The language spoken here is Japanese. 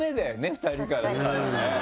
２人からしたらね。